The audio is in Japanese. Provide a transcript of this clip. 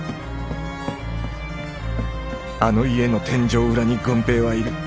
あの家の天井裏に「郡平」はいる。